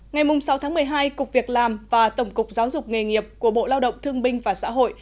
ngày sáu tháng một mươi hai cục việc làm và tổng cục giáo dục nghề nghiệp của bộ lao động thương binh và xã hội